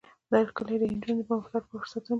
دا کلي د نجونو د پرمختګ لپاره فرصتونه برابروي.